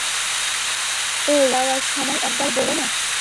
এই, যাওয়ার সময় একবার বলো না।